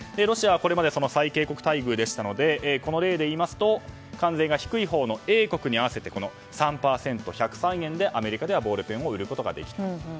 ロシアはこれまでその最恵国待遇でしたのでこの例でいきますと関税が低いほうのＡ国に合わせまして３％、１０３円でアメリカではボールペンを売ることができた。